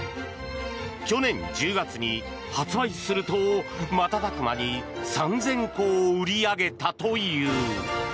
去年１０月に発売すると瞬く間に３０００個を売り上げたという。